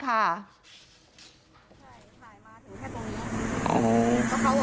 เขาก็ถ่ายมาถึงแค่ตรงนี้